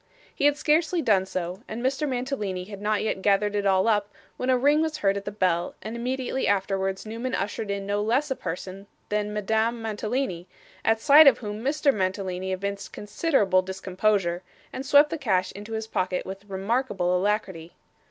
He had scarcely done so, and Mr. Mantalini had not yet gathered it all up, when a ring was heard at the bell, and immediately afterwards Newman ushered in no less a person than Madame Mantalini, at sight of whom Mr Mantalini evinced considerable discomposure, and swept the cash into his pocket with remarkable alacrity.